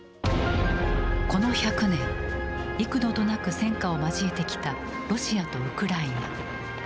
この１００年、幾度となく戦火を交えてきたロシアとウクライナ。